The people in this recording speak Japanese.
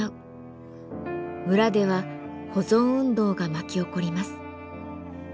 村では保存運動が巻き起こります。